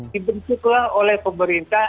dibentuklah oleh pemerintah